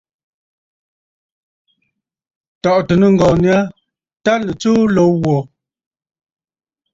Tɔ̀ʼɔ̀tə̀ nɨŋgɔ̀ɔ̀ nyâ tâ nɨ̀ tsuu lǒ wò.